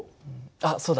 あっそうだ。